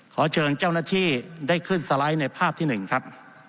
ขอเชิญเจ้าหน้าที่ได้ขึ้นสไลด์ในภาพที่๑ครับ